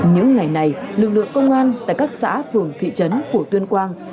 những ngày này lực lượng công an tại các xã phường thị trấn của tuyên quang